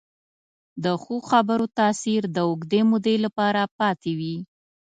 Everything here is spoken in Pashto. د ښو خبرو تاثیر د اوږدې مودې لپاره پاتې وي.